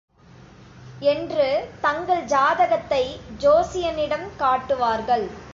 என்று தங்கள் ஜாதகத்தை ஜோசியனிடம் காட்டுவார்கள்.